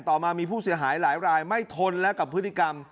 ต่อมามีผู้เสียหายหลายรายไม่ทนแล้วกับพฤติกรรม